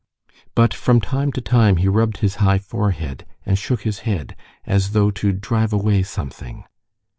But from time to time he rubbed his high forehead and shook his head, as though to drive away something.